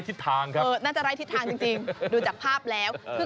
ทิทททางครับเออน่าจะไรทททางจริงจริงดูจากภาพแล้วคือ